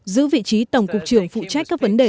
giữ vị trí tổng cục trưởng phụ trách các vấn đề